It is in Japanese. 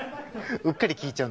うっかり聴いちゃう？